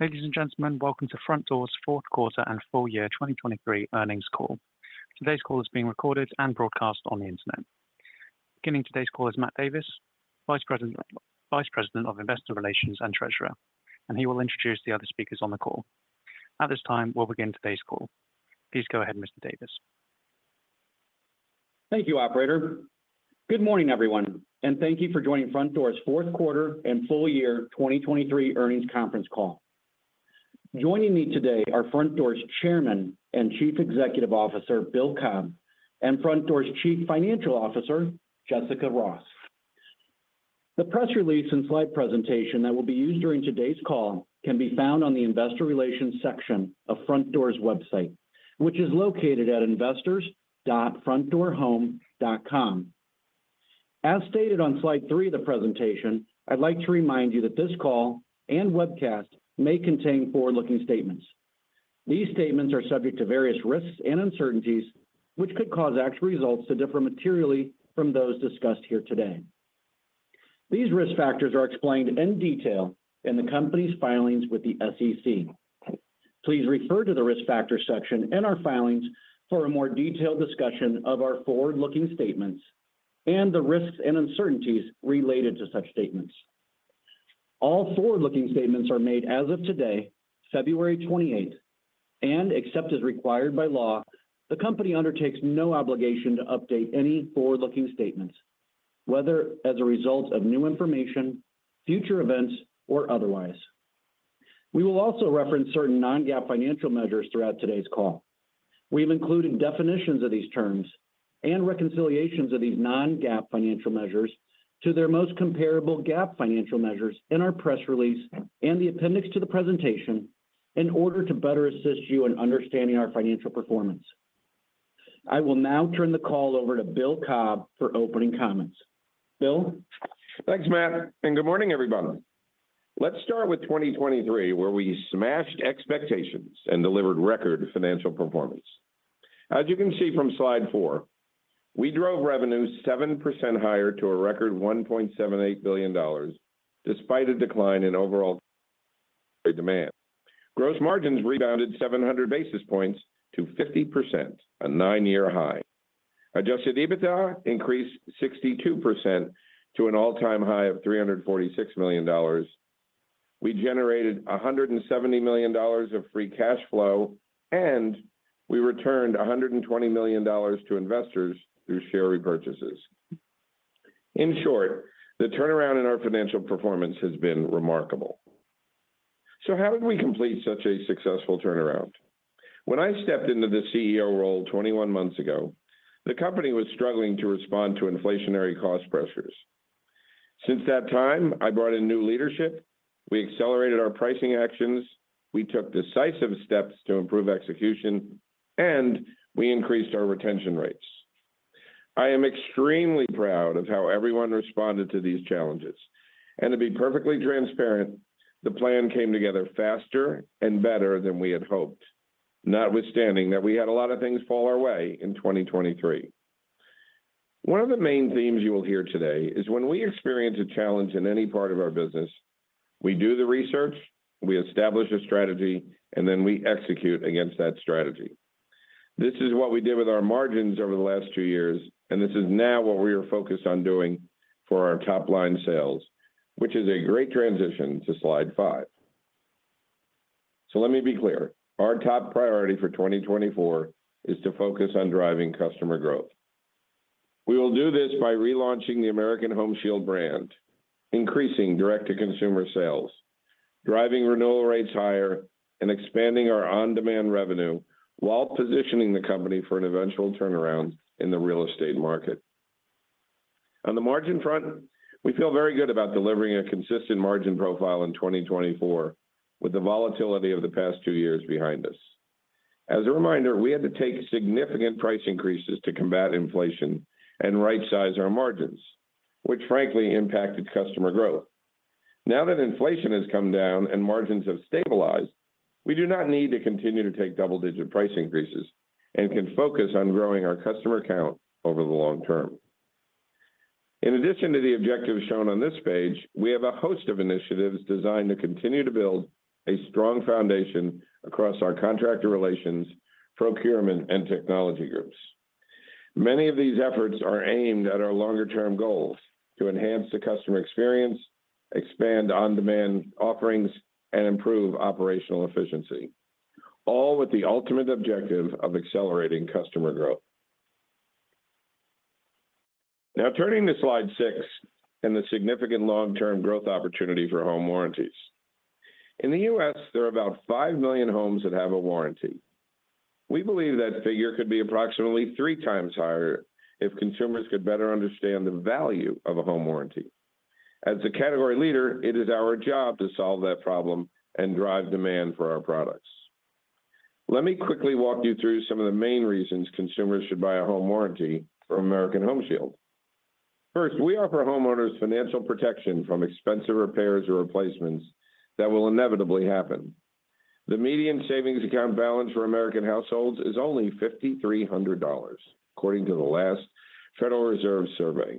Ladies and gentlemen, welcome to Frontdoor's fourth quarter and full year 2023 earnings call. Today's call is being recorded and broadcast on the internet. Beginning today's call is Matt Davis, Vice President of Investor Relations and Treasurer, and he will introduce the other speakers on the call. At this time, we'll begin today's call. Please go ahead, Mr. Davis. Thank you, Operator. Good morning, everyone, and thank you for joining Frontdoor's fourth quarter and full year 2023 earnings conference call. Joining me today are Frontdoor's Chairman and Chief Executive Officer Bill Cobb and Frontdoor's Chief Financial Officer Jessica Ross. The press release and slide presentation that will be used during today's call can be found on the Investor Relations section of Frontdoor's website, which is located at investors.frontdoorhome.com. As stated on slide three of the presentation, I'd like to remind you that this call and webcast may contain forward-looking statements. These statements are subject to various risks and uncertainties, which could cause actual results to differ materially from those discussed here today. These risk factors are explained in detail in the company's filings with the SEC. Please refer to the risk factors section in our filings for a more detailed discussion of our forward-looking statements and the risks and uncertainties related to such statements. All forward-looking statements are made as of today, February 28th, and except as required by law, the company undertakes no obligation to update any forward-looking statements, whether as a result of new information, future events, or otherwise. We will also reference certain non-GAAP financial measures throughout today's call. We've included definitions of these terms and reconciliations of these non-GAAP financial measures to their most comparable GAAP financial measures in our press release and the appendix to the presentation in order to better assist you in understanding our financial performance. I will now turn the call over to Bill Cobb for opening comments. Bill? Thanks, Matt, and good morning, everyone. Let's start with 2023, where we smashed expectations and delivered record financial performance. As you can see from slide four, we drove revenue 7% higher to a record $1.78 billion despite a decline in overall demand. Gross margins rebounded 700 basis points to 50%, a nine-year high. Adjusted EBITDA increased 62% to an all-time high of $346 million. We generated $170 million of free cash flow, and we returned $120 million to investors through share repurchases. In short, the turnaround in our financial performance has been remarkable. So how did we complete such a successful turnaround? When I stepped into the CEO role 21 months ago, the company was struggling to respond to inflationary cost pressures. Since that time, I brought in new leadership, we accelerated our pricing actions, we took decisive steps to improve execution, and we increased our retention rates. I am extremely proud of how everyone responded to these challenges. To be perfectly transparent, the plan came together faster and better than we had hoped, notwithstanding that we had a lot of things fall our way in 2023. One of the main themes you will hear today is when we experience a challenge in any part of our business, we do the research, we establish a strategy, and then we execute against that strategy. This is what we did with our margins over the last two years, and this is now what we are focused on doing for our top line sales, which is a great transition to slide five. Let me be clear. Our top priority for 2024 is to focus on driving customer growth. We will do this by relaunching the American Home Shield brand, increasing direct-to-consumer sales, driving renewal rates higher, and expanding our on-demand revenue while positioning the company for an eventual turnaround in the real estate market. On the margin front, we feel very good about delivering a consistent margin profile in 2024 with the volatility of the past two years behind us. As a reminder, we had to take significant price increases to combat inflation and right-size our margins, which frankly impacted customer growth. Now that inflation has come down and margins have stabilized, we do not need to continue to take double-digit price increases and can focus on growing our customer count over the long term. In addition to the objectives shown on this page, we have a host of initiatives designed to continue to build a strong foundation across our contractor relations, procurement, and technology groups. Many of these efforts are aimed at our longer-term goals to enhance the customer experience, expand on-demand offerings, and improve operational efficiency, all with the ultimate objective of accelerating customer growth. Now turning to slide 6 and the significant long-term growth opportunity for home warranties. In the U.S., there are about 5 million homes that have a warranty. We believe that figure could be approximately 3 times higher if consumers could better understand the value of a home warranty. As the category leader, it is our job to solve that problem and drive demand for our products. Let me quickly walk you through some of the main reasons consumers should buy a home warranty from American Home Shield. First, we offer homeowners financial protection from expensive repairs or replacements that will inevitably happen. The median savings account balance for American households is only $5,300, according to the last Federal Reserve survey.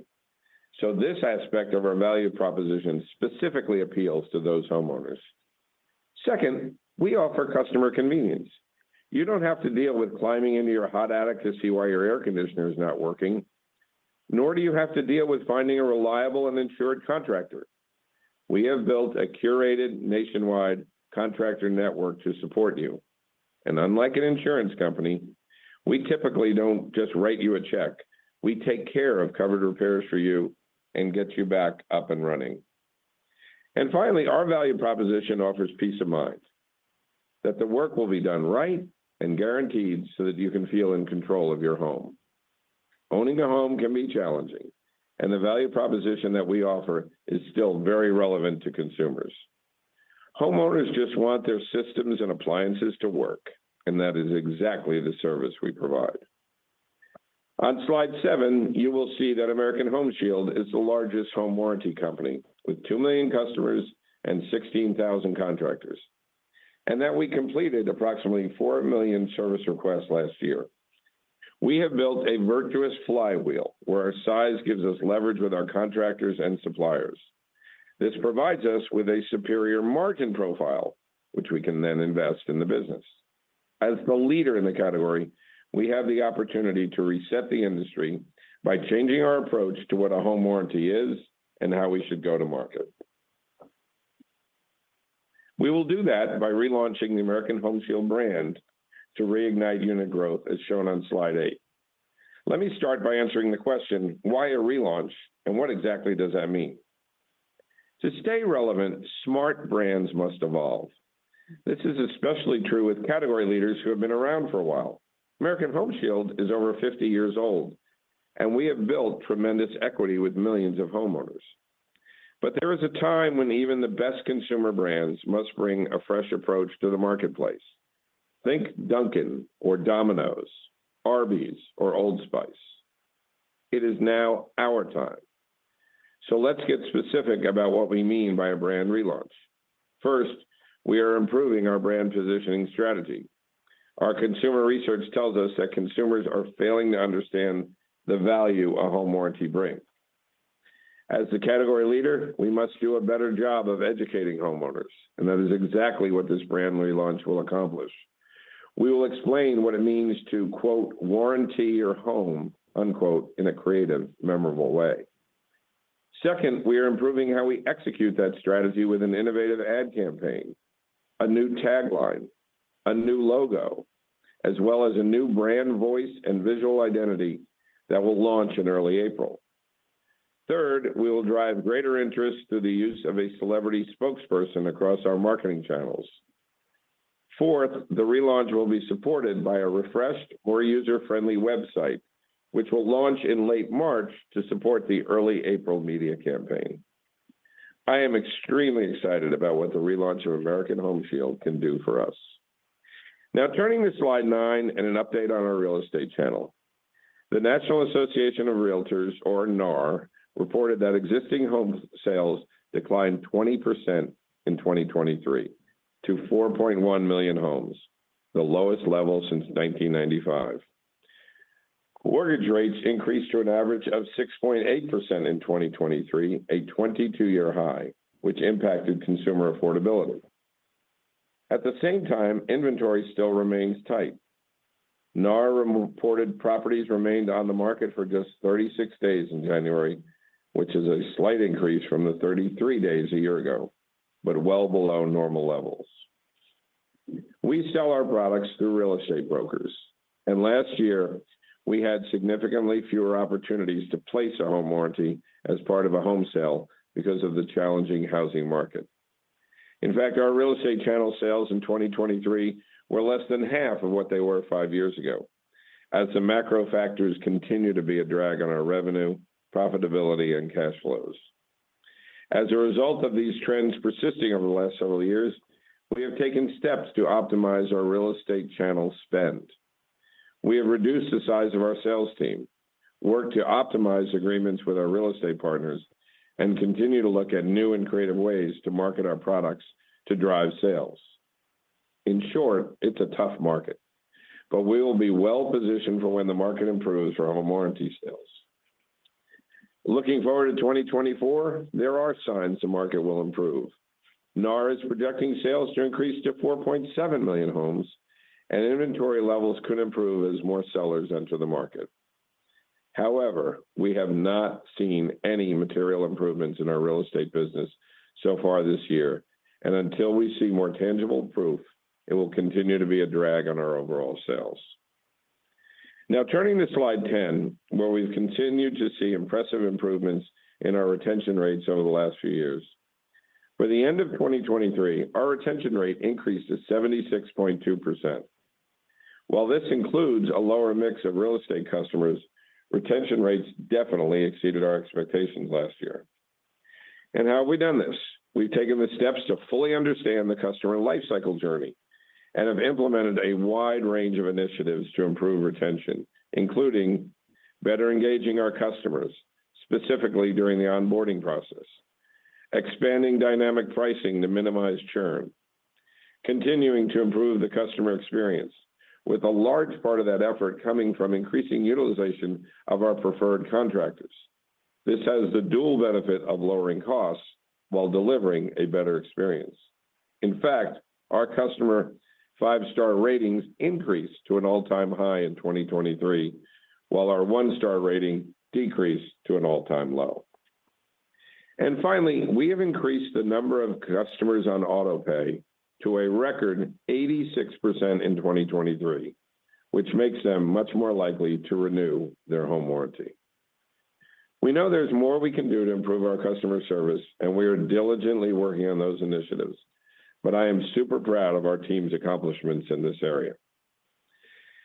So this aspect of our value proposition specifically appeals to those homeowners. Second, we offer customer convenience. You don't have to deal with climbing into your hot attic to see why your air conditioner is not working, nor do you have to deal with finding a reliable and insured contractor. We have built a curated nationwide contractor network to support you. And unlike an insurance company, we typically don't just write you a check. We take care of covered repairs for you and get you back up and running. And finally, our value proposition offers peace of mind, that the work will be done right and guaranteed so that you can feel in control of your home. Owning a home can be challenging, and the value proposition that we offer is still very relevant to consumers. Homeowners just want their systems and appliances to work, and that is exactly the service we provide. On slide 7, you will see that American Home Shield is the largest home warranty company with 2 million customers and 16,000 contractors, and that we completed approximately 4 million service requests last year. We have built a virtuous flywheel where our size gives us leverage with our contractors and suppliers. This provides us with a superior margin profile, which we can then invest in the business. As the leader in the category, we have the opportunity to reset the industry by changing our approach to what a home warranty is and how we should go to market. We will do that by relaunching the American Home Shield brand to reignite unit growth, as shown on slide 8. Let me start by answering the question, why a relaunch, and what exactly does that mean? To stay relevant, smart brands must evolve. This is especially true with category leaders who have been around for a while. American Home Shield is over 50 years old, and we have built tremendous equity with millions of homeowners. But there is a time when even the best consumer brands must bring a fresh approach to the marketplace. Think Dunkin' or Domino's, Arby's, or Old Spice. It is now our time. So let's get specific about what we mean by a brand relaunch. First, we are improving our brand positioning strategy. Our consumer research tells us that consumers are failing to understand the value a home warranty brings. As the category leader, we must do a better job of educating homeowners, and that is exactly what this brand relaunch will accomplish. We will explain what it means to quote "warranty your home" in a creative, memorable way. Second, we are improving how we execute that strategy with an innovative ad campaign, a new tagline, a new logo, as well as a new brand voice and visual identity that will launch in early April. Third, we will drive greater interest through the use of a celebrity spokesperson across our marketing channels. Fourth, the relaunch will be supported by a refreshed, more user-friendly website, which will launch in late March to support the early April media campaign. I am extremely excited about what the relaunch of American Home Shield can do for us. Now turning to slide nine and an update on our real estate channel. The National Association of Realtors, or NAR, reported that existing home sales declined 20% in 2023 to 4.1 million homes, the lowest level since 1995. Mortgage rates increased to an average of 6.8% in 2023, a 22-year high, which impacted consumer affordability. At the same time, inventory still remains tight. NAR reported properties remained on the market for just 36 days in January, which is a slight increase from the 33 days a year ago, but well below normal levels. We sell our products through real estate brokers, and last year, we had significantly fewer opportunities to place a home warranty as part of a home sale because of the challenging housing market. In fact, our real estate channel sales in 2023 were less than half of what they were five years ago, as the macro factors continue to be a drag on our revenue, profitability, and cash flows. As a result of these trends persisting over the last several years, we have taken steps to optimize our real estate channel spend. We have reduced the size of our sales team, worked to optimize agreements with our real estate partners, and continue to look at new and creative ways to market our products to drive sales. In short, it's a tough market, but we will be well positioned for when the market improves for home warranty sales. Looking forward to 2024, there are signs the market will improve. NAR is projecting sales to increase to 4.7 million homes, and inventory levels could improve as more sellers enter the market. However, we have not seen any material improvements in our real estate business so far this year, and until we see more tangible proof, it will continue to be a drag on our overall sales. Now turning to slide 10, where we've continued to see impressive improvements in our retention rates over the last few years. By the end of 2023, our retention rate increased to 76.2%. While this includes a lower mix of real estate customers, retention rates definitely exceeded our expectations last year. How have we done this? We've taken the steps to fully understand the customer lifecycle journey and have implemented a wide range of initiatives to improve retention, including better engaging our customers, specifically during the onboarding process, expanding dynamic pricing to minimize churn, continuing to improve the customer experience, with a large part of that effort coming from increasing utilization of our preferred contractors. This has the dual benefit of lowering costs while delivering a better experience. In fact, our customer five-star ratings increased to an all-time high in 2023, while our one-star rating decreased to an all-time low. Finally, we have increased the number of customers on AutoPay to a record 86% in 2023, which makes them much more likely to renew their home warranty. We know there's more we can do to improve our customer service, and we are diligently working on those initiatives. I am super proud of our team's accomplishments in this area.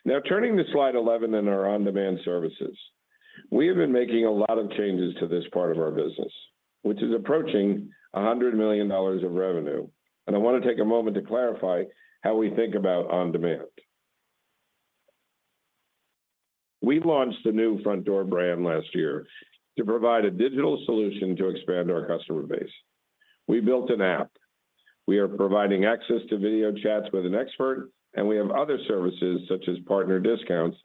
Now turning to slide 11 and our on-demand services. We have been making a lot of changes to this part of our business, which is approaching $100 million of revenue. I want to take a moment to clarify how we think about on-demand. We launched the new Frontdoor brand last year to provide a digital solution to expand our customer base. We built an app. We are providing access to video chats with an expert, and we have other services such as partner discounts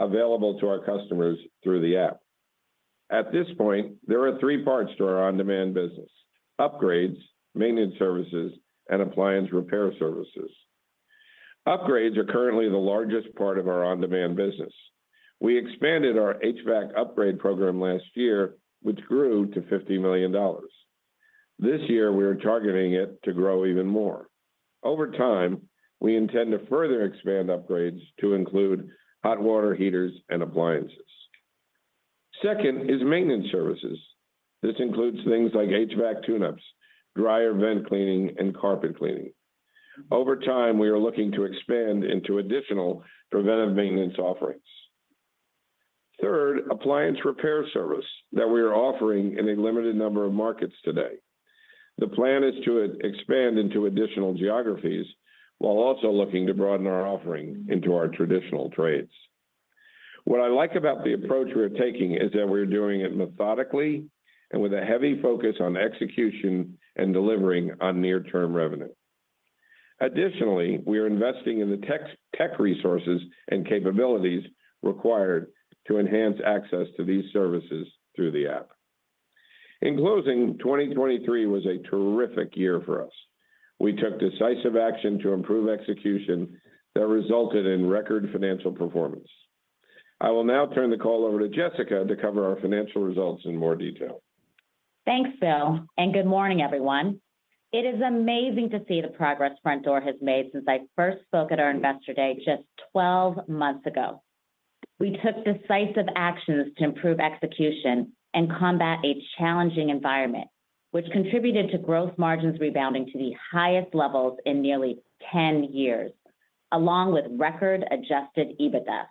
available to our customers through the app. At this point, there are three parts to our on-demand business: upgrades, maintenance services, and appliance repair services. Upgrades are currently the largest part of our on-demand business. We expanded our HVAC upgrade program last year, which grew to $50 million. This year, we are targeting it to grow even more. Over time, we intend to further expand upgrades to include hot water heaters and appliances. Second is maintenance services. This includes things like HVAC tune-ups, dryer vent cleaning, and carpet cleaning. Over time, we are looking to expand into additional preventive maintenance offerings. Third, appliance repair service that we are offering in a limited number of markets today. The plan is to expand into additional geographies while also looking to broaden our offering into our traditional trades. What I like about the approach we're taking is that we're doing it methodically and with a heavy focus on execution and delivering on near-term revenue. Additionally, we are investing in the tech resources and capabilities required to enhance access to these services through the app. In closing, 2023 was a terrific year for us. We took decisive action to improve execution that resulted in record financial performance. I will now turn the call over to Jessica to cover our financial results in more detail. Thanks, Bill, and good morning, everyone. It is amazing to see the progress Frontdoor has made since I first spoke at our investor day just 12 months ago. We took decisive actions to improve execution and combat a challenging environment, which contributed to gross margins rebounding to the highest levels in nearly 10 years, along with record Adjusted EBITDA.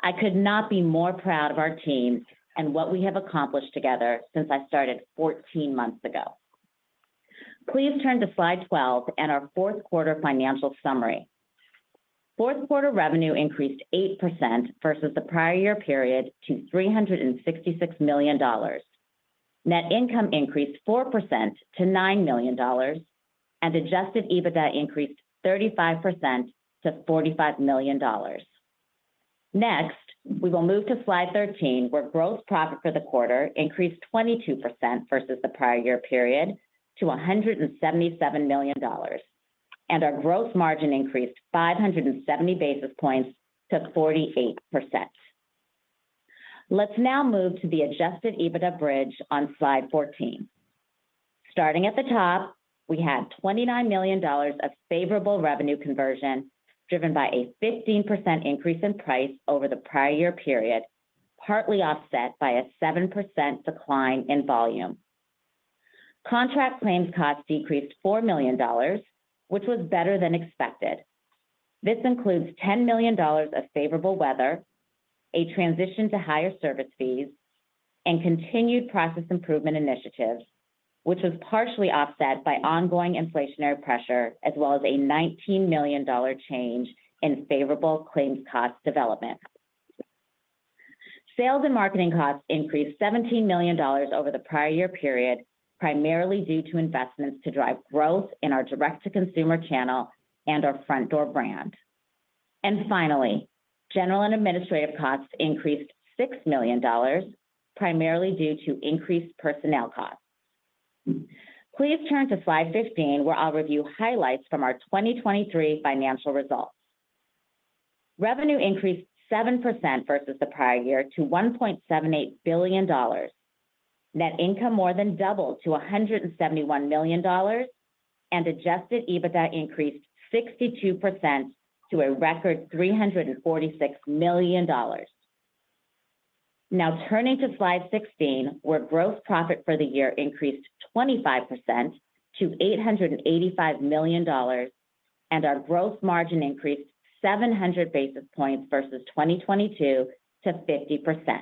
I could not be more proud of our team and what we have accomplished together since I started 14 months ago. Please turn to slide 12 and our fourth quarter financial summary. Fourth quarter revenue increased 8% versus the prior year period to $366 million. Net income increased 4% to $9 million, and Adjusted EBITDA increased 35% to $45 million. Next, we will move to slide 13, where gross profit for the quarter increased 22% versus the prior year period to $177 million, and our gross margin increased 570 basis points to 48%. Let's now move to the Adjusted EBITDA bridge on slide 14. Starting at the top, we had $29 million of favorable revenue conversion driven by a 15% increase in price over the prior year period, partly offset by a 7% decline in volume. Contract claims costs decreased $4 million, which was better than expected. This includes $10 million of favorable weather, a transition to higher service fees, and continued process improvement initiatives, which was partially offset by ongoing inflationary pressure as well as a $19 million change in favorable claims costs development. Sales and marketing costs increased $17 million over the prior year period, primarily due to investments to drive growth in our direct-to-consumer channel and our Frontdoor brand. And finally, general and administrative costs increased $6 million, primarily due to increased personnel costs. Please turn to slide 15, where I'll review highlights from our 2023 financial results. Revenue increased 7% versus the prior year to $1.78 billion. Net income more than doubled to $171 million, and Adjusted EBITDA increased 62% to a record $346 million. Now turning to slide 16, where gross profit for the year increased 25% to $885 million, and our gross margin increased 700 basis points versus 2022 to 50%,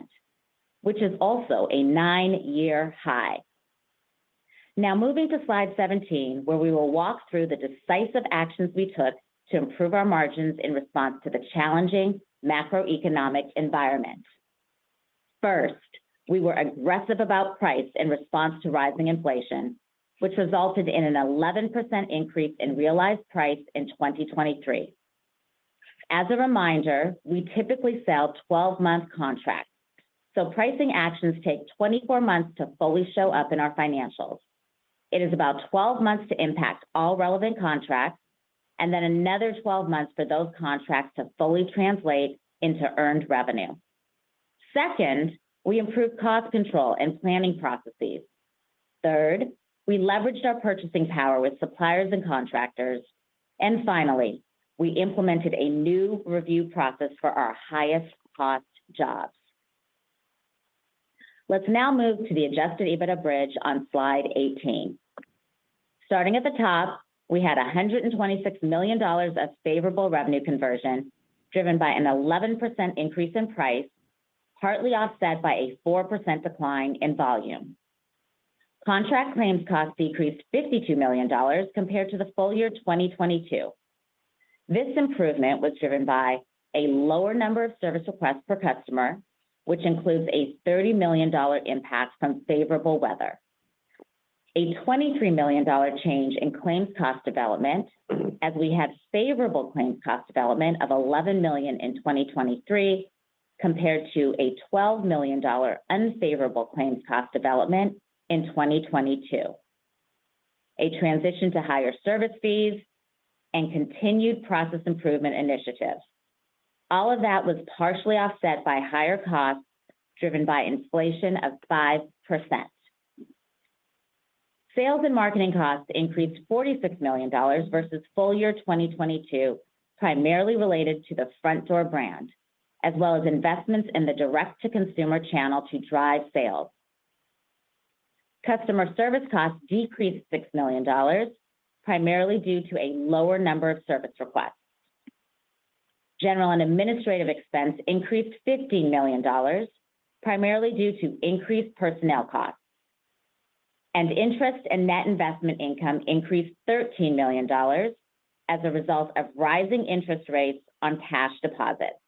which is also a nine-year high. Now moving to slide 17, where we will walk through the decisive actions we took to improve our margins in response to the challenging macroeconomic environment. First, we were aggressive about price in response to rising inflation, which resulted in an 11% increase in realized price in 2023. As a reminder, we typically sell 12-month contracts, so pricing actions take 24 months to fully show up in our financials. It is about 12 months to impact all relevant contracts, and then another 12 months for those contracts to fully translate into earned revenue. Second, we improved cost control and planning processes. Third, we leveraged our purchasing power with suppliers and contractors. Finally, we implemented a new review process for our highest-cost jobs. Let's now move to the Adjusted EBITDA bridge on slide 18. Starting at the top, we had $126 million of favorable revenue conversion driven by an 11% increase in price, partly offset by a 4% decline in volume. Contract claims costs decreased $52 million compared to the full year 2022. This improvement was driven by a lower number of service requests per customer, which includes a $30 million impact from favorable weather, a $23 million change in claims cost development, as we had favorable claims cost development of $11 million in 2023 compared to a $12 million unfavorable claims cost development in 2022, a transition to higher service fees, and continued process improvement initiatives. All of that was partially offset by higher costs driven by inflation of 5%. Sales and marketing costs increased $46 million versus full year 2022, primarily related to the Frontdoor brand, as well as investments in the direct-to-consumer channel to drive sales. Customer service costs decreased $6 million, primarily due to a lower number of service requests. General and administrative expense increased $15 million, primarily due to increased personnel costs. And interest and net investment income increased $13 million as a result of rising interest rates on cash deposits.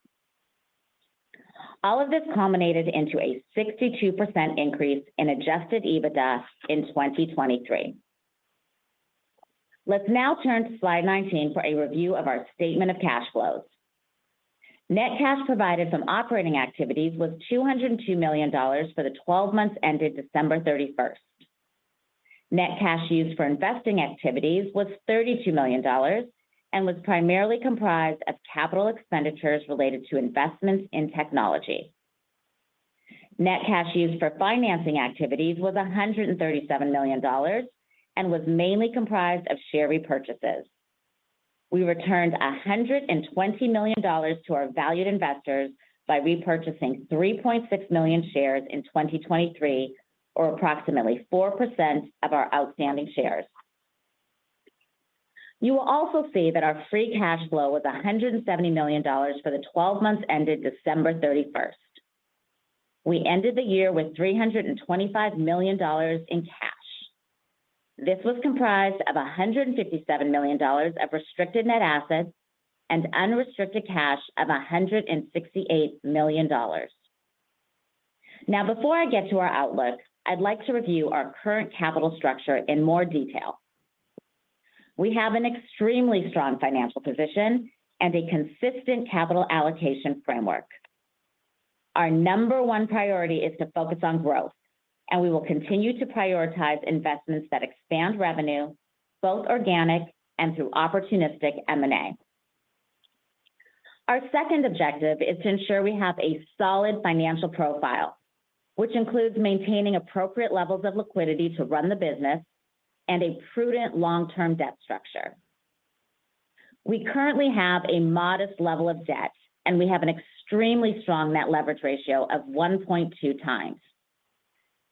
All of this culminated into a 62% increase in Adjusted EBITDA in 2023. Let's now turn to slide 19 for a review of our statement of cash flows. Net cash provided from operating activities was $202 million for the 12 months ended December 31st. Net cash used for investing activities was $32 million and was primarily comprised of capital expenditures related to investments in technology. Net cash used for financing activities was $137 million and was mainly comprised of share repurchases. We returned $120 million to our valued investors by repurchasing 3.6 million shares in 2023, or approximately 4% of our outstanding shares. You will also see that our free cash flow was $170 million for the 12 months ended December 31st. We ended the year with $325 million in cash. This was comprised of $157 million of restricted net assets and unrestricted cash of $168 million. Now, before I get to our outlook, I'd like to review our current capital structure in more detail. We have an extremely strong financial position and a consistent capital allocation framework. Our number one priority is to focus on growth, and we will continue to prioritize investments that expand revenue, both organic and through opportunistic M&A. Our second objective is to ensure we have a solid financial profile, which includes maintaining appropriate levels of liquidity to run the business and a prudent long-term debt structure. We currently have a modest level of debt, and we have an extremely strong net leverage ratio of 1.2 times.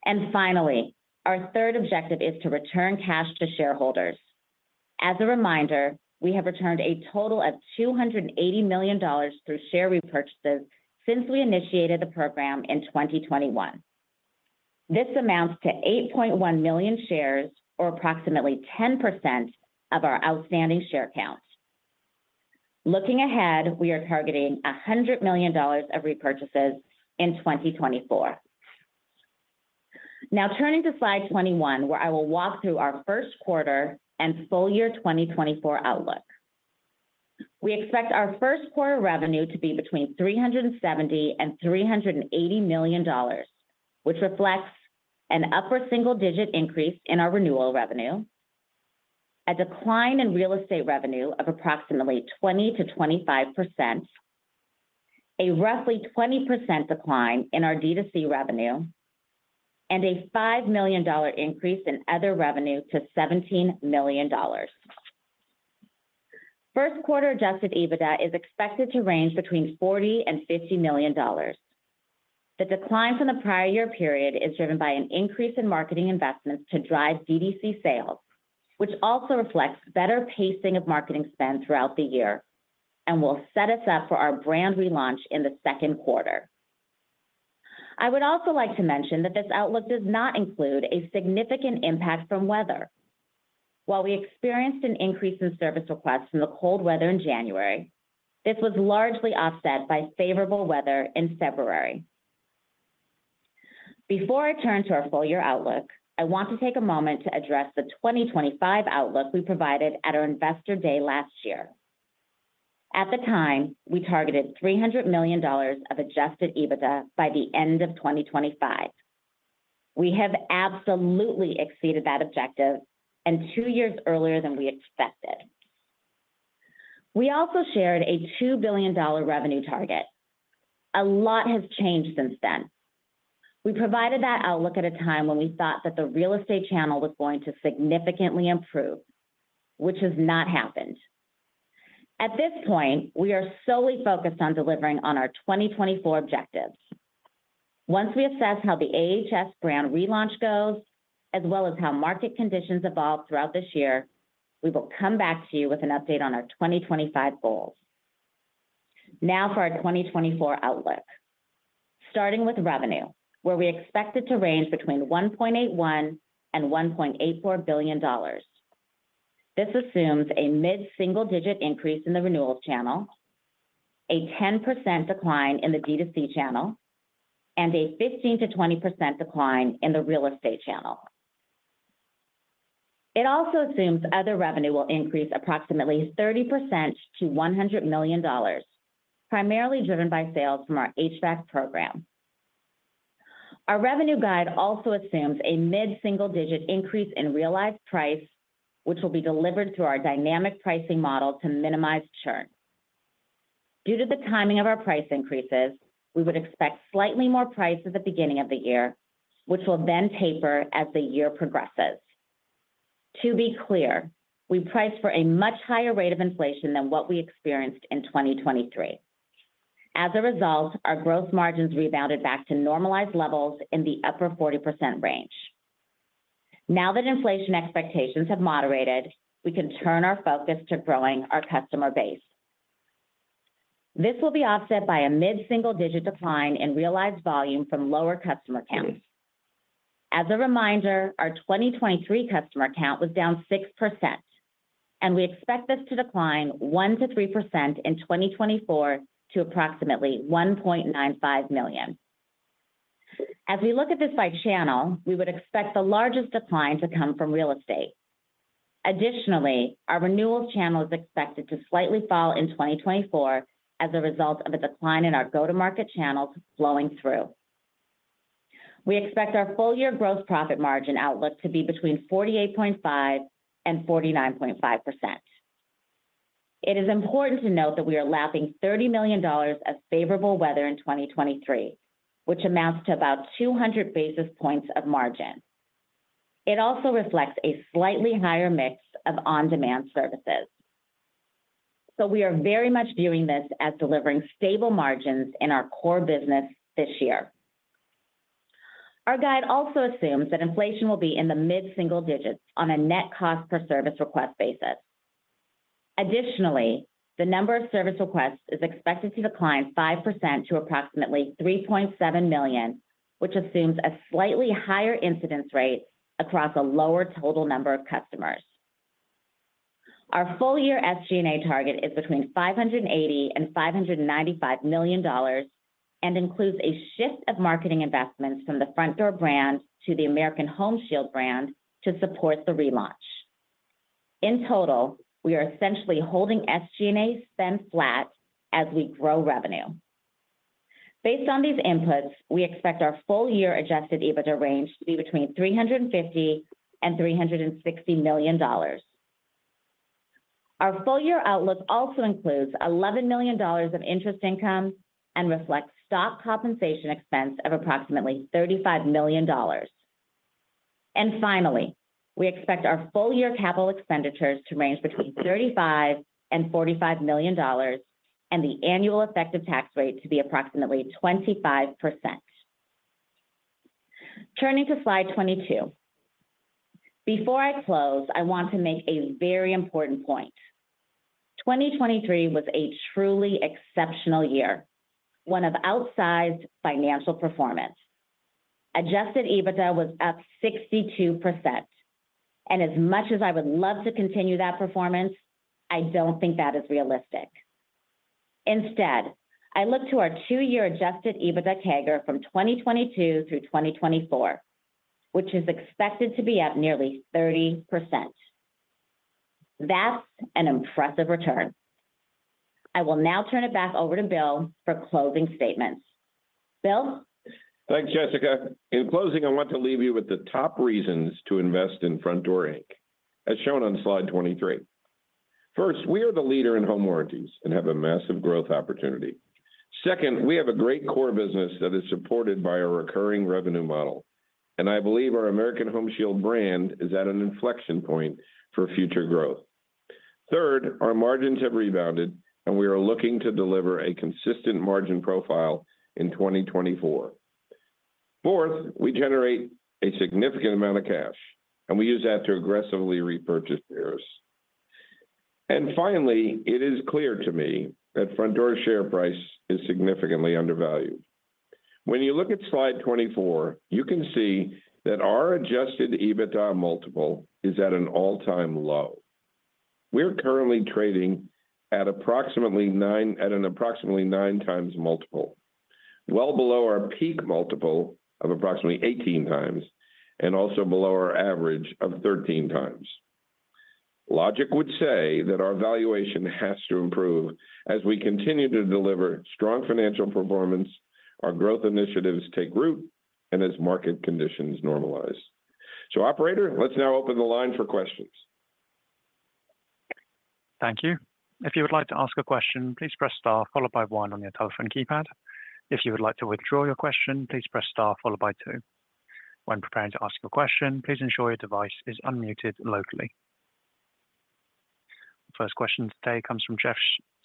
And finally, our third objective is to return cash to shareholders. As a reminder, we have returned a total of $280 million through share repurchases since we initiated the program in 2021. This amounts to 8.1 million shares, or approximately 10% of our outstanding share count. Looking ahead, we are targeting $100 million of repurchases in 2024. Now turning to slide 21, where I will walk through our first quarter and full year 2024 outlook. We expect our first quarter revenue to be between $370 million-$380 million, which reflects an upper single-digit increase in our renewal revenue, a decline in real estate revenue of approximately 20%-25%, a roughly 20% decline in our D2C revenue, and a $5 million increase in other revenue to $17 million. First quarter Adjusted EBITDA is expected to range between $40 million-$50 million. The decline from the prior year period is driven by an increase in marketing investments to drive D2C sales, which also reflects better pacing of marketing spend throughout the year and will set us up for our brand relaunch in the second quarter. I would also like to mention that this outlook does not include a significant impact from weather. While we experienced an increase in service requests from the cold weather in January, this was largely offset by favorable weather in February. Before I turn to our full year outlook, I want to take a moment to address the 2025 outlook we provided at our Investor Day last year. At the time, we targeted $300 million of Adjusted EBITDA by the end of 2025. We have absolutely exceeded that objective and two years earlier than we expected. We also shared a $2 billion revenue target. A lot has changed since then. We provided that outlook at a time when we thought that the real estate channel was going to significantly improve, which has not happened. At this point, we are solely focused on delivering on our 2024 objectives. Once we assess how the AHS brand relaunch goes, as well as how market conditions evolve throughout this year, we will come back to you with an update on our 2025 goals. Now for our 2024 outlook. Starting with revenue, where we expected to range between $1.81-$1.84 billion. This assumes a mid-single-digit increase in the renewals channel, a 10% decline in the D2C channel, and a 15%-20% decline in the real estate channel. It also assumes other revenue will increase approximately 30% to $100 million, primarily driven by sales from our HVAC program. Our revenue guide also assumes a mid-single-digit increase in realized price, which will be delivered through our dynamic pricing model to minimize churn. Due to the timing of our price increases, we would expect slightly more price at the beginning of the year, which will then taper as the year progresses. To be clear, we priced for a much higher rate of inflation than what we experienced in 2023. As a result, our gross margins rebounded back to normalized levels in the upper 40% range. Now that inflation expectations have moderated, we can turn our focus to growing our customer base. This will be offset by a mid-single-digit decline in realized volume from lower customer counts. As a reminder, our 2023 customer count was down 6%, and we expect this to decline 1%-3% in 2024 to approximately 1.95 million. As we look at this by channel, we would expect the largest decline to come from real estate. Additionally, our renewals channel is expected to slightly fall in 2024 as a result of a decline in our go-to-market channels flowing through. We expect our full year gross profit margin outlook to be between 48.5%-49.5%. It is important to note that we are lapping $30 million of favorable weather in 2023, which amounts to about 200 basis points of margin. It also reflects a slightly higher mix of on-demand services. We are very much viewing this as delivering stable margins in our core business this year. Our guide also assumes that inflation will be in the mid-single digits on a net cost per service request basis. Additionally, the number of service requests is expected to decline 5% to approximately 3.7 million, which assumes a slightly higher incidence rate across a lower total number of customers. Our full year SG&A target is between $580 million-$595 million and includes a shift of marketing investments from the Frontdoor brand to the American Home Shield brand to support the relaunch. In total, we are essentially holding SG&A spend flat as we grow revenue. Based on these inputs, we expect our full year Adjusted EBITDA range to be between $350 million-$360 million. Our full year outlook also includes $11 million of interest income and reflects stock compensation expense of approximately $35 million. Finally, we expect our full-year capital expenditures to range between $35-$45 million, and the annual effective tax rate to be approximately 25%. Turning to slide 22. Before I close, I want to make a very important point. 2023 was a truly exceptional year, one of outsized financial performance. Adjusted EBITDA was up 62%, and as much as I would love to continue that performance, I don't think that is realistic. Instead, I look to our two-year adjusted EBITDA CAGR from 2022 through 2024, which is expected to be up nearly 30%. That's an impressive return. I will now turn it back over to Bill for closing statements. Bill? Thanks, Jessica. In closing, I want to leave you with the top reasons to invest in Frontdoor, Inc., as shown on slide 23. First, we are the leader in home warranties and have a massive growth opportunity. Second, we have a great core business that is supported by our recurring revenue model, and I believe our American Home Shield brand is at an inflection point for future growth. Third, our margins have rebounded, and we are looking to deliver a consistent margin profile in 2024. Fourth, we generate a significant amount of cash, and we use that to aggressively repurchase shares. And finally, it is clear to me that Frontdoor's share price is significantly undervalued. When you look at slide 24, you can see that our Adjusted EBITDA multiple is at an all-time low. We're currently trading at approximately 9x multiple, well below our peak multiple of approximately 18x, and also below our average of 13x. Logic would say that our valuation has to improve as we continue to deliver strong financial performance, our growth initiatives take root, and as market conditions normalize. So operator, let's now open the line for questions. Thank you. If you would like to ask a question, please press star followed by one on your telephone keypad. If you would like to withdraw your question, please press star followed by two. When preparing to ask your question, please ensure your device is unmuted locally. First question today comes from Jeff,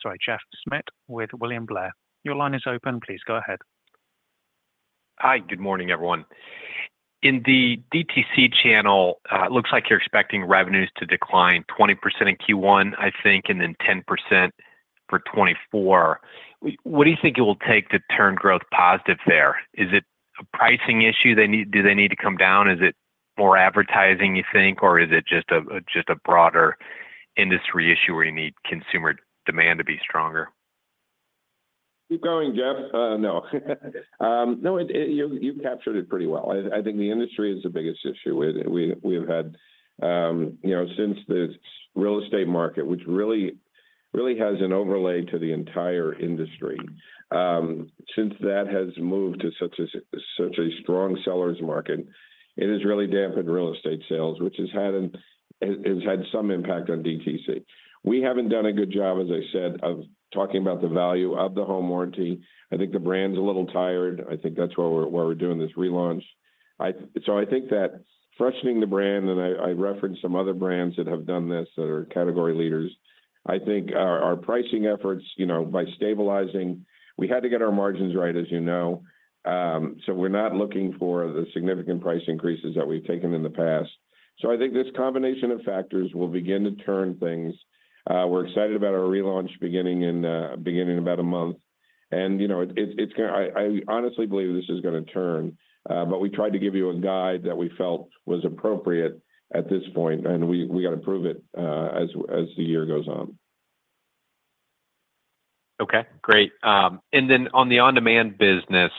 sorry, Jeff Smith with William Blair. Your line is open. Please go ahead. Hi, good morning, everyone. In the DTC channel, it looks like you're expecting revenues to decline 20% in Q1, I think, and then 10% for 2024. What do you think it will take to turn growth positive there? Is it a pricing issue they need do they need to come down? Is it more advertising, you think, or is it just a broader industry issue where you need consumer demand to be stronger? Keep going, Jeff. No. No, you captured it pretty well. I think the industry is the biggest issue we have had since the real estate market, which really has an overlay to the entire industry. Since that has moved to such a strong sellers market, it has really dampened real estate sales, which has had some impact on D2C. We haven't done a good job, as I said, of talking about the value of the home warranty. I think the brand's a little tired. I think that's why we're doing this relaunch. So I think that freshening the brand and I referenced some other brands that have done this that are category leaders. I think our pricing efforts by stabilizing we had to get our margins right, as you know. So we're not looking for the significant price increases that we've taken in the past. I think this combination of factors will begin to turn things. We're excited about our relaunch beginning in about a month. It's going to. I honestly believe this is going to turn. But we tried to give you a guide that we felt was appropriate at this point, and we got to prove it as the year goes on. Okay, great. Then on the on-demand business,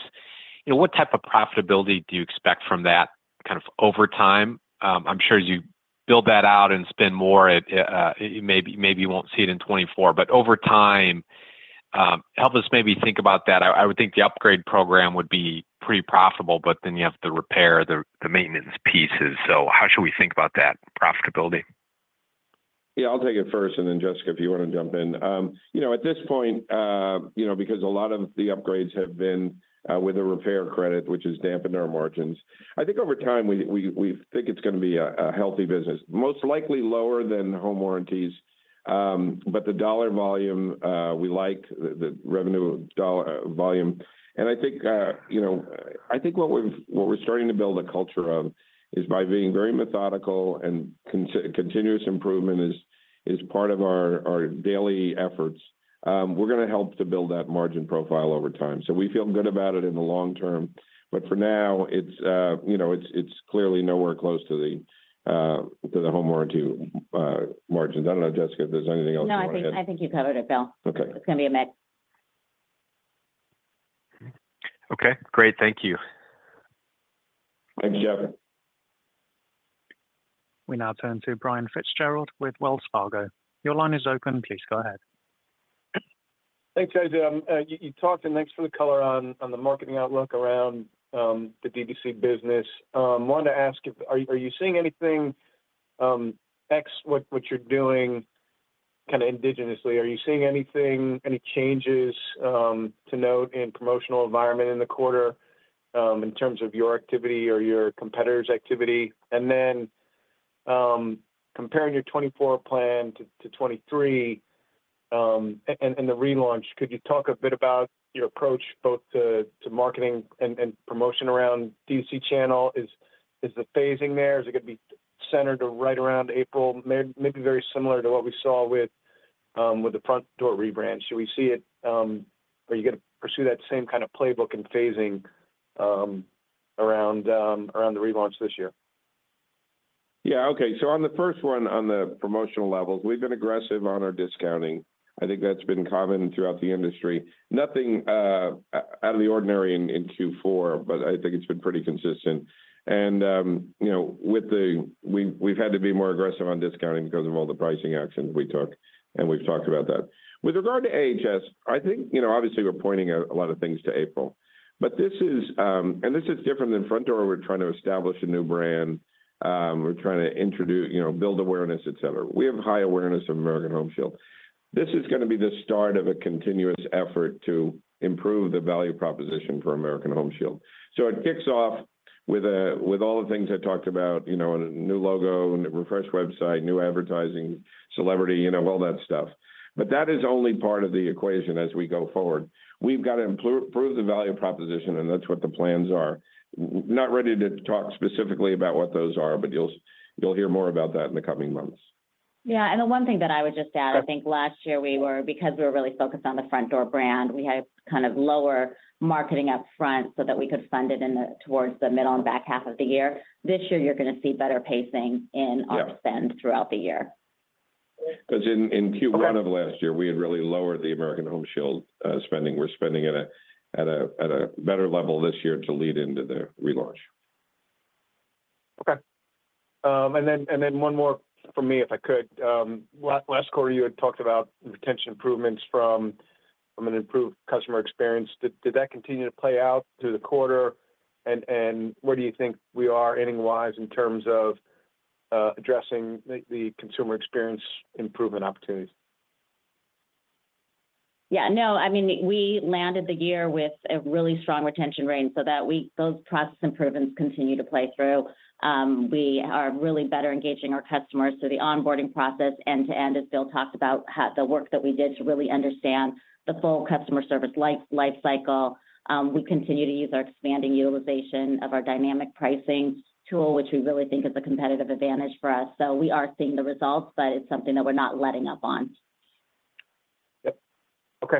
what type of profitability do you expect from that kind of over time? I'm sure as you build that out and spend more, maybe you won't see it in 2024. But over time, help us maybe think about that. I would think the upgrade program would be pretty profitable, but then you have the repair, the maintenance pieces. So how should we think about that profitability? Yeah, I'll take it first, and then Jessica, if you want to jump in. At this point, because a lot of the upgrades have been with a repair credit, which has dampened our margins, I think over time, we think it's going to be a healthy business, most likely lower than home warranties. But the dollar volume, we like the revenue volume. And I think what we're starting to build a culture of is by being very methodical and continuous improvement is part of our daily efforts. We're going to help to build that margin profile over time. So we feel good about it in the long term. But for now, it's clearly nowhere close to the home warranty margins. I don't know, Jessica, if there's anything else you want to add. No, I think you covered it, Bill. It's going to be a mix. Okay, great. Thank you. Thanks, Jeff. We now turn to Brian Fitzgerald with Wells Fargo. Your line is open. Please go ahead. Thanks, Jason. You talked, and thanks for the color on the marketing outlook around the D2C business. I wanted to ask, are you seeing anything else, what you're doing kind of independently, are you seeing any changes to note in promotional environment in the quarter in terms of your activity or your competitors' activity? And then comparing your 2024 plan to 2023 and the relaunch, could you talk a bit about your approach both to marketing and promotion around D2C channel? Is the phasing there? Is it going to be centered right around April, maybe very similar to what we saw with the Frontdoor rebrand? Should we see it or are you going to pursue that same kind of playbook and phasing around the relaunch this year? Yeah, okay. So on the first one, on the promotional levels, we've been aggressive on our discounting. I think that's been common throughout the industry. Nothing out of the ordinary in Q4, but I think it's been pretty consistent. And with that, we've had to be more aggressive on discounting because of all the pricing actions we took, and we've talked about that. With regard to AHS, I think obviously we're pointing a lot of things to April. But this is, and this is different than Frontdoor. We're trying to establish a new brand. We're trying to build awareness, etc. We have high awareness of American Home Shield. This is going to be the start of a continuous effort to improve the value proposition for American Home Shield. So it kicks off with all the things I talked about, a new logo, refreshed website, new advertising, celebrity, all that stuff. But that is only part of the equation as we go forward. We've got to improve the value proposition, and that's what the plans are. Not ready to talk specifically about what those are, but you'll hear more about that in the coming months. Yeah, and the one thing that I would just add, I think last year we were because we were really focused on the Frontdoor brand, we had kind of lower marketing up front so that we could fund it towards the middle and back half of the year. This year, you're going to see better pacing in our spend throughout the year. Because in Q1 of last year, we had really lowered the American Home Shield spending. We're spending at a better level this year to lead into the relaunch. Okay. And then one more for me, if I could. Last quarter, you had talked about retention improvements from an improved customer experience. Did that continue to play out through the quarter? And where do you think we are ending-wise in terms of addressing the consumer experience improvement opportunities? Yeah, no, I mean, we landed the year with a really strong retention rate so that those process improvements continue to play through. We are really better engaging our customers. So the onboarding process end to end, as Bill talked about, the work that we did to really understand the full customer service lifecycle. We continue to use our expanding utilization of our dynamic pricing tool, which we really think is a competitive advantage for us. So we are seeing the results, but it's something that we're not letting up on. Yep. Okay.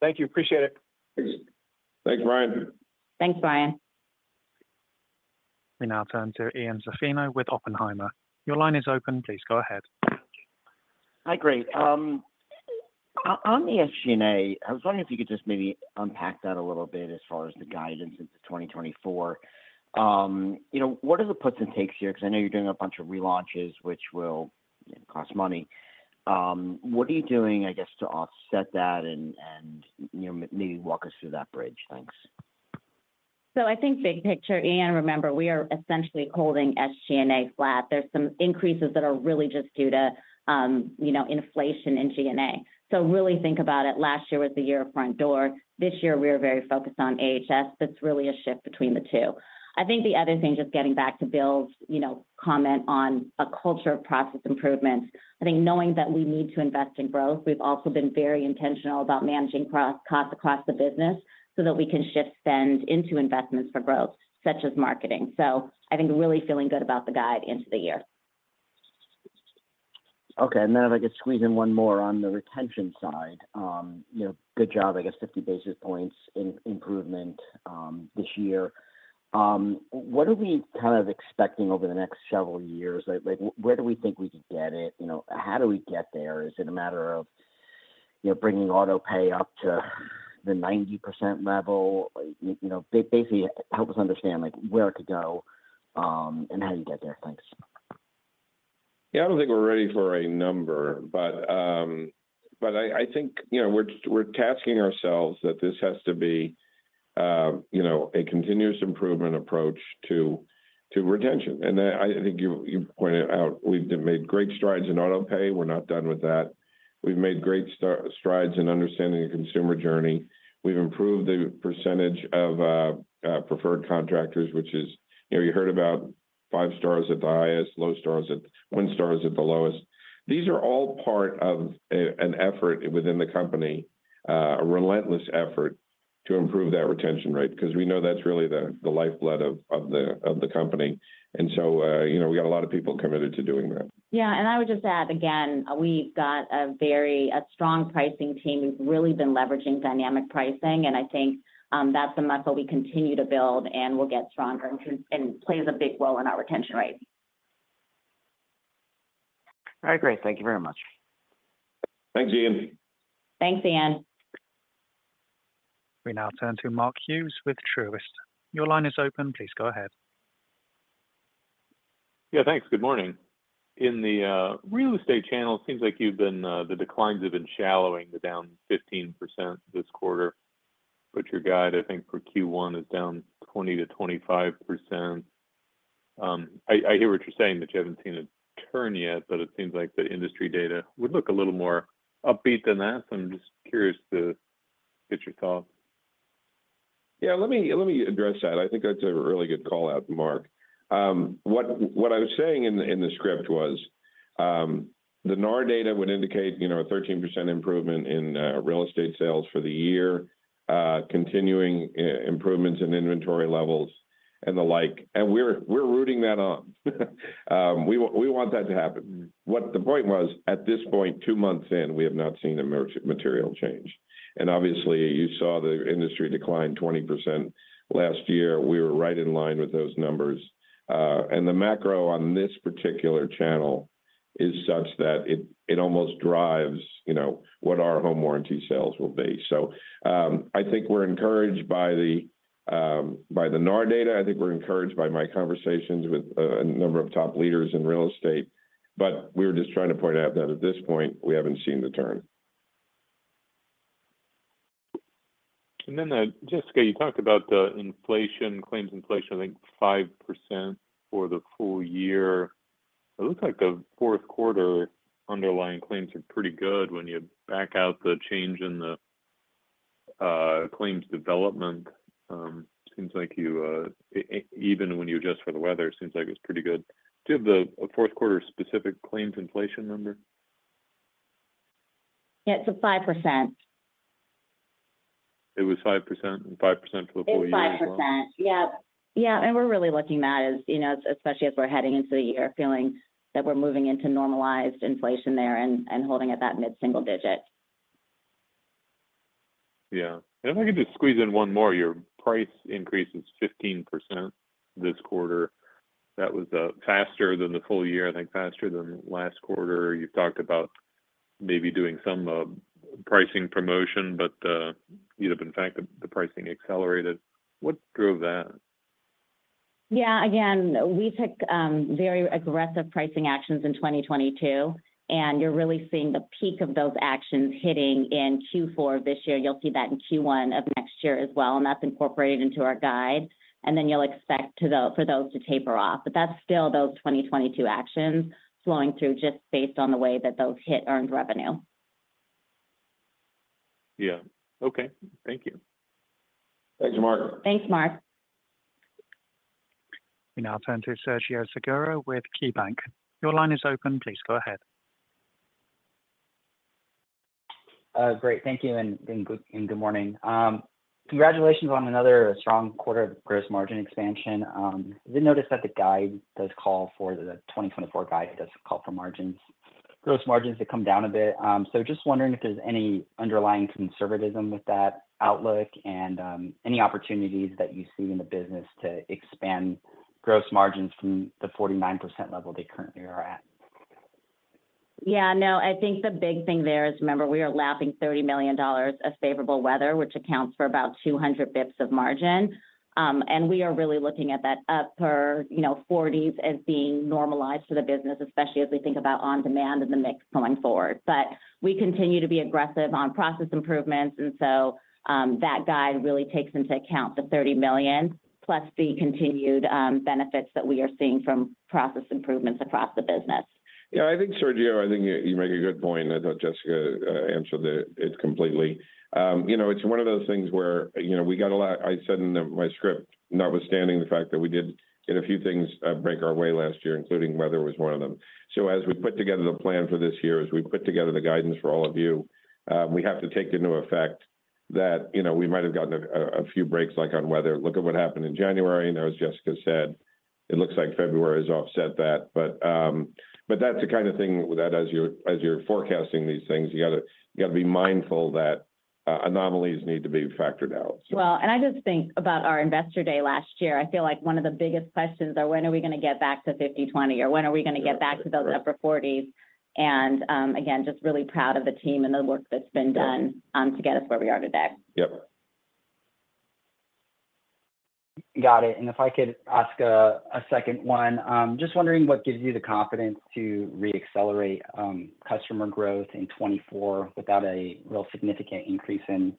Thank you. Appreciate it. Thanks, Brian. Thanks, Brian. We now turn to Ian Zaffino with Oppenheimer. Your line is open. Please go ahead. Hi, great. On the SG&A, I was wondering if you could just maybe unpack that a little bit as far as the guidance into 2024. What are the puts and takes here? Because I know you're doing a bunch of relaunches, which will cost money. What are you doing, I guess, to offset that and maybe walk us through that bridge? Thanks. So I think big picture, Ian, remember, we are essentially holding SG&A flat. There's some increases that are really just due to inflation in G&A. So really think about it. Last year was the year of Frontdoor. This year, we are very focused on AHS. That's really a shift between the two. I think the other thing, just getting back to Bill's comment on a culture of process improvements, I think knowing that we need to invest in growth, we've also been very intentional about managing costs across the business so that we can shift spend into investments for growth, such as marketing. So I think really feeling good about the guide into the year. Okay, and then if I could squeeze in one more on the retention side, good job, I guess, 50 basis points in improvement this year. What are we kind of expecting over the next several years? Where do we think we could get it? How do we get there? Is it a matter of bringing Autopay up to the 90% level? Basically, help us understand where it could go and how you get there. Thanks. Yeah, I don't think we're ready for a number, but I think we're tasking ourselves that this has to be a continuous improvement approach to retention. And I think you pointed out we've made great strides in Autopay. We're not done with that. We've made great strides in understanding the consumer journey. We've improved the percentage of preferred contractors, which is you heard about five stars at the highest, one stars at the lowest. These are all part of an effort within the company, a relentless effort to improve that retention rate because we know that's really the lifeblood of the company. And so we got a lot of people committed to doing that. Yeah, and I would just add, again, we've got a very strong pricing team. We've really been leveraging dynamic pricing, and I think that's a muscle we continue to build and will get stronger and plays a big role in our retention rate. All right, great. Thank you very much. Thanks, Ian. Thanks, Ian. We now turn to Mark Hughes with Truist. Your line is open. Please go ahead. Yeah, thanks. Good morning. In the real estate channel, it seems like the declines have been shallowing, the down 15% this quarter. But your guide, I think, for Q1 is down 20%-25%. I hear what you're saying, that you haven't seen a turn yet, but it seems like the industry data would look a little more upbeat than that. So I'm just curious to get your thoughts. Yeah, let me address that. I think that's a really good callout, Mark. What I was saying in the script was the NAR data would indicate a 13% improvement in real estate sales for the year, continuing improvements in inventory levels, and the like. And we're rooting that on. We want that to happen. What the point was, at this point, two months in, we have not seen a material change. And obviously, you saw the industry decline 20% last year. We were right in line with those numbers. And the macro on this particular channel is such that it almost drives what our home warranty sales will be. So I think we're encouraged by the NAR data. I think we're encouraged by my conversations with a number of top leaders in real estate. But we were just trying to point out that at this point, we haven't seen the turn. And then Jessica, you talked about claims inflation, I think, 5% for the full year. It looks like the fourth quarter underlying claims are pretty good when you back out the change in the claims development. Seems like even when you adjust for the weather, it seems like it's pretty good. Do you have the fourth quarter specific claims inflation number? Yeah, it's a 5%. It was 5% and 5% for the full year. It's 5%. Yep. Yeah, and we're really looking at that, especially as we're heading into the year, feeling that we're moving into normalized inflation there and holding at that mid-single digit. Yeah. And if I could just squeeze in one more, your price increase is 15% this quarter. That was faster than the full year, I think, faster than last quarter. You've talked about maybe doing some pricing promotion, but either in fact, the pricing accelerated. What drove that? Yeah, again, we took very aggressive pricing actions in 2022, and you're really seeing the peak of those actions hitting in Q4 this year. You'll see that in Q1 of next year as well, and that's incorporated into our guide. And then you'll expect for those to taper off. But that's still those 2022 actions flowing through just based on the way that those hit earned revenue. Yeah. Okay. Thank you. Thanks, Mark. Thanks, Mark. We now turn to Sergio Segura with KeyBanc. Your line is open. Please go ahead. Great. Thank you and good morning. Congratulations on another strong quarter of gross margin expansion. I did notice that the guide does call for the 2024 guide does call for margins, gross margins to come down a bit. So just wondering if there's any underlying conservatism with that outlook and any opportunities that you see in the business to expand gross margins from the 49% level they currently are at. Yeah, no, I think the big thing there is, remember, we are lapping $30 million of favorable weather, which accounts for about 200 basis points of margin. And we are really looking at that upper 40s as being normalized for the business, especially as we think about on-demand and the mix going forward. But we continue to be aggressive on process improvements, and so that guide really takes into account the $30 million plus the continued benefits that we are seeing from process improvements across the business. Yeah, I think, Sergio, I think you make a good point. I thought Jessica answered it completely. It's one of those things where we got a lot I said in my script, notwithstanding the fact that we did get a few things break our way last year, including weather was one of them. So as we put together the plan for this year, as we put together the guidance for all of you, we have to take into effect that we might have gotten a few breaks like on weather. Look at what happened in January. As Jessica said, it looks like February has offset that. That's the kind of thing that as you're forecasting these things, you got to be mindful that anomalies need to be factored out. Well, I just think about our investor day last year. I feel like one of the biggest questions are, when are we going to get back to 50, 20, or when are we going to get back to those upper 40s? And again, just really proud of the team and the work that's been done to get us where we are today. Yep. Got it. And if I could ask a second one, just wondering what gives you the confidence to reaccelerate customer growth in 2024 without a real significant increase in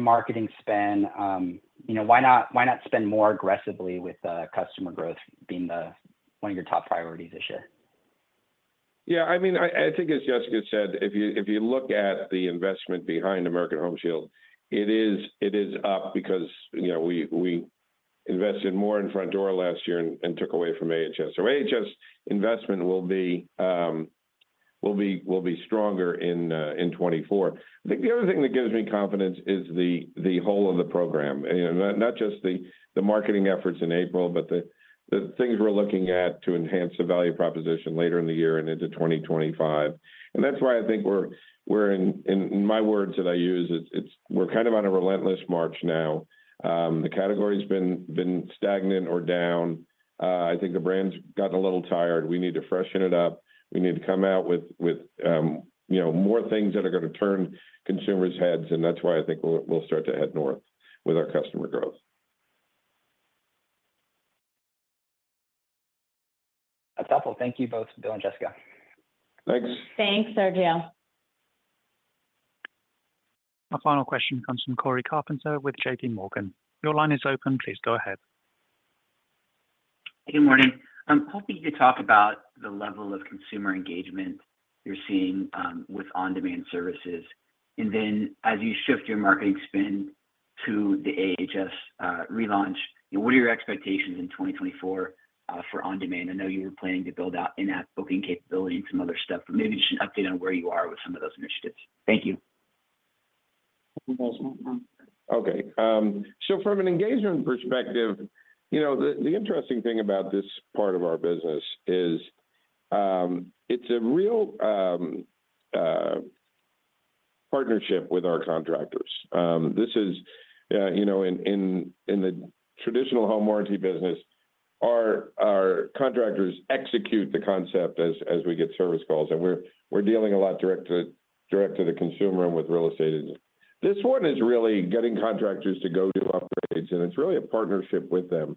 marketing spend? Why not spend more aggressively with customer growth being one of your top priorities this year? Yeah, I mean, I think as Jessica said, if you look at the investment behind American Home Shield, it is up because we invested more in Frontdoor last year and took away from AHS. So AHS investment will be stronger in 2024. I think the other thing that gives me confidence is the whole of the program, not just the marketing efforts in April, but the things we're looking at to enhance the value proposition later in the year and into 2025. And that's why I think we're in my words that I use, we're kind of on a relentless march now. The category's been stagnant or down. I think the brand's gotten a little tired. We need to freshen it up. We need to come out with more things that are going to turn consumers' heads, and that's why I think we'll start to head north with our customer growth. That's helpful. Thank you both, Bill and Jessica. Thanks. Thanks, Sergio. Our final question comes from Cory Carpenter here with J.P. Morgan. Your line is open. Please go ahead. Good morning. Hoping you could talk about the level of consumer engagement you're seeing with on-demand services. And then as you shift your marketing spend to the AHS relaunch, what are your expectations in 2024 for on-demand? I know you were planning to build out in-app booking capability and some other stuff, but maybe just an update on where you are with some of those initiatives. Thank you. Okay. So from an engagement perspective, the interesting thing about this part of our business is it's a real partnership with our contractors. This is in the traditional home warranty business, our contractors execute the concept as we get service calls. And we're dealing a lot direct to the consumer and with real estate. This one is really getting contractors to go do upgrades, and it's really a partnership with them.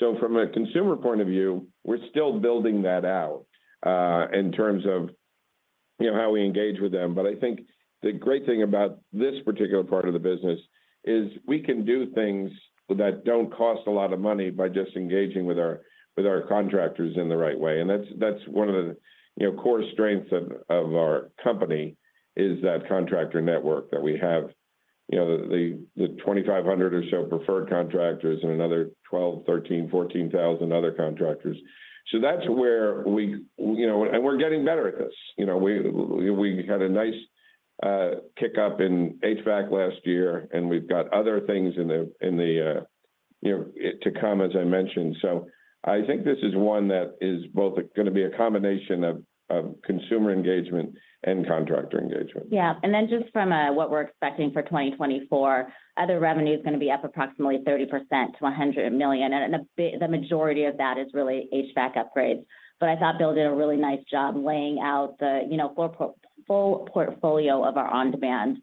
So from a consumer point of view, we're still building that out in terms of how we engage with them. But I think the great thing about this particular part of the business is we can do things that don't cost a lot of money by just engaging with our contractors in the right way. And that's one of the core strengths of our company is that contractor network that we have, the 2,500 or so preferred contractors and another 12,000-14,000 other contractors. So that's where we and we're getting better at this. We had a nice kickup in HVAC last year, and we've got other things in the to come, as I mentioned. So I think this is one that is both going to be a combination of consumer engagement and contractor engagement. Yeah. And then, just from what we're expecting for 2024, other revenue is going to be up approximately 30% to $100 million. The majority of that is really HVAC upgrades. But I thought Bill did a really nice job laying out the full portfolio of our on-demand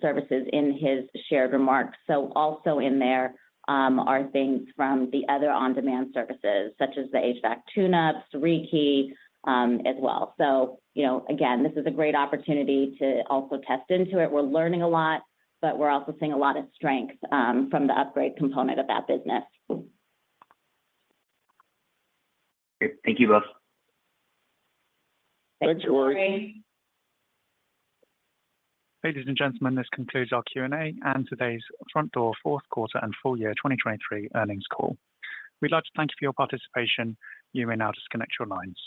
services in his shared remarks. So also in there are things from the other on-demand services, such as the HVAC tune-ups, rekey as well. So again, this is a great opportunity to also test into it. We're learning a lot, but we're also seeing a lot of strength from the upgrade component of that business. Great. Thank you both. Thanks, Cory. Thanks, Cory. Hey, ladies and gentlemen, this concludes our Q&A and today's Frontdoor fourth quarter and full year 2023 earnings call. We'd like to thank you for your participation. You may now disconnect your lines.